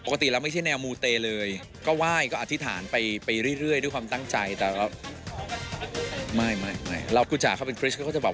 ก็พยายามไม่เครียดนะครับ